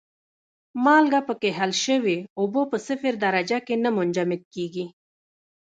مالګه پکې حل شوې اوبه په صفر درجه کې نه منجمد کیږي.